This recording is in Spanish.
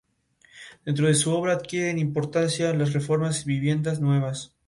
Fue discípulo de Ángel Rama en la Universidad de la República.